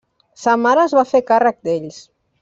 Sa mare es va fer càrrec d'ells.